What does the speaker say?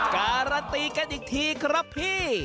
การันตีกันอีกทีครับพี่